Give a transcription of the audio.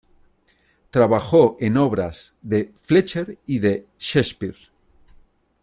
Trabajó en obras de Fletcher y de Shakespeare.